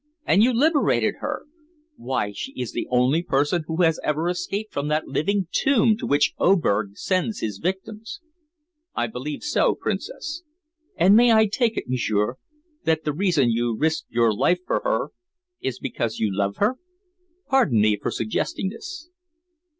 And you liberated her! Why, she is the only person who has ever escaped from that living tomb to which Oberg sends his victims." "I believe so, Princess." "And may I take it, m'sieur, that the reason you risked your life for her is because you love her? Pardon me for suggesting this."